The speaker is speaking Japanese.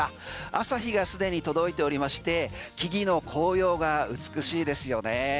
朝日が既に届いておりまして木々の紅葉が美しいですよね。